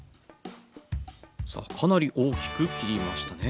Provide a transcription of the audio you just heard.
さあかなり大きく切りましたね。